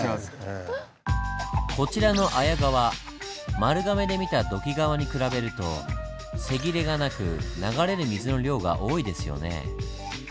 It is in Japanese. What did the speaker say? こちらの綾川丸亀で見た土器川に比べると瀬切れがなく流れる水の量が多いですよね。